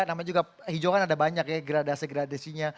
namanya juga hijau kan ada banyak ya gradasi gradasinya